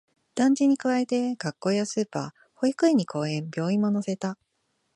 団地に加えて、学校やスーパー、保育園に公園、病院も乗せた